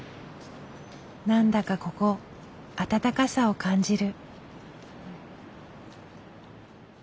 何だかここ温かさを感じる。